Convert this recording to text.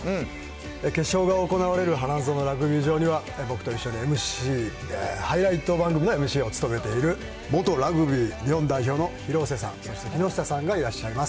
決勝が行われる花園ラグビー場には、僕と一緒にＭＣ、ハイライト番組のＭＣを務めている元ラグビー日本代表の廣瀬さん、そして木下さんがいらっしゃいます。